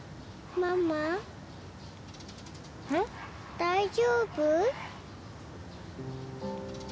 大丈夫？